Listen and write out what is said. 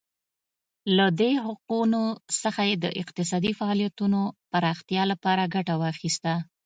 له دې حقونو څخه یې د اقتصادي فعالیتونو پراختیا لپاره ګټه واخیسته.